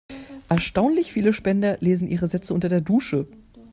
Erstaunlich viele Spender lesen ihre Sätze unter der Dusche.